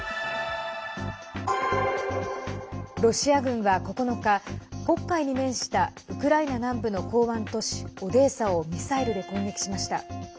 ロシア軍は９日、黒海に面したウクライナ南部の港湾都市オデーサをミサイルで攻撃しました。